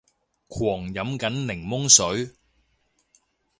狂飲緊檸檬水